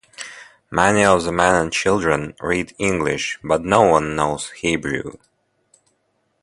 Many of the men and children read English, but no one knows Hebrew.